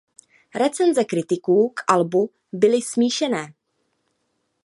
Recenze kritiků k albu byly smíšené.